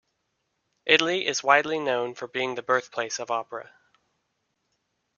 Italy is widely known for being the birthplace of opera.